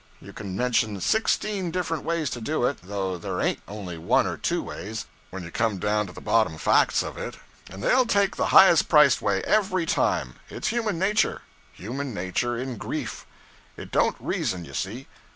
You can mention sixteen different ways to do it though there ain't only one or two ways, when you come down to the bottom facts of it and they'll take the highest priced way, every time. It's human nature human nature in grief. It don't reason, you see.